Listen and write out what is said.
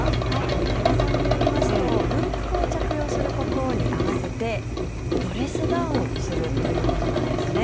多賀さんによりますと軍服を着用する国王に合わせてドレスダウンするということなんですね。